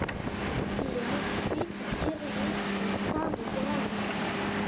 Il est ensuite dirigé sur le camp de Granville.